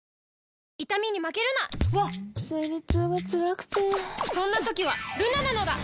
わっ生理痛がつらくてそんな時はルナなのだ！